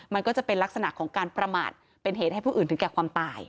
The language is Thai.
มันก็จะเป็นลักษณะของการประมาทเป็นเหตุให้ผู้อื่นถึงแก่ความตาย